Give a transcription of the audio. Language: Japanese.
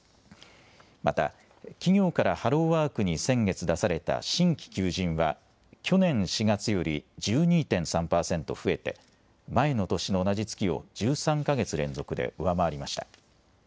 また企業からハローワークに先月出された新規求人は去年４月より１２．３％増えて、前の年の同じ月を１３か月連続で上回りました。